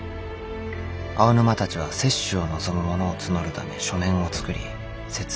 青沼たちは接種を望む者を募るため書面を作り説明を始めた。